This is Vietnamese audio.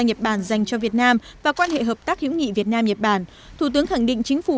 nhật bản dành cho việt nam và quan hệ hợp tác hữu nghị việt nam nhật bản thủ tướng khẳng định chính phủ